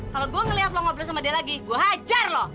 kalau gue ngeliat lo ngobrol sama dia lagi gue hajar loh